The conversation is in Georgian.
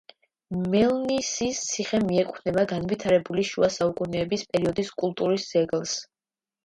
მელნისის ციხე მიეკუთვნება განვითარებული შუა საუკუნეების პერიოდის კულტურის ძეგლს.